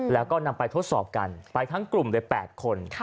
แล้วก็นำไปทดสอบกันไปทั้งกลุ่มเลย๘คน